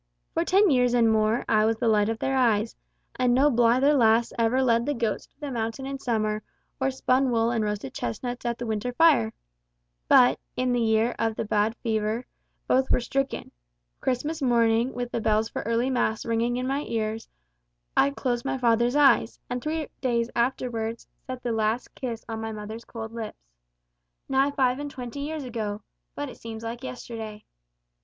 For ten years and more I was the light of their eyes; and no blither lass ever led the goats to the mountain in summer, or spun wool and roasted chestnuts at the winter fire. But, the year of the bad fever, both were stricken. Christmas morning, with the bells for early mass ringing in my ears, I closed my father's eyes; and three days afterwards, set the last kiss on my mother's cold lips. Nigh upon five and twenty years ago, but it seems like yesterday.